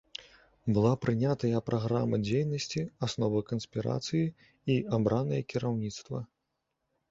Была прынятая праграма дзейнасці, асновы канспірацыі і абранае кіраўніцтва.